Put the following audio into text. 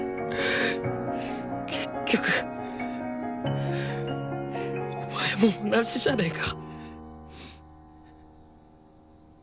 結局お前も同じじゃねか。